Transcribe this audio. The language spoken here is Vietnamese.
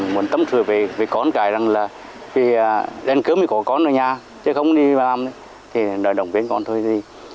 một tâm sự về con cái là khi đem cơm thì có con ở nhà chứ không đi làm thì đòi đồng viên con thôi